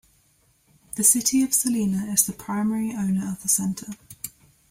The City of Salina is the primary owner of the center.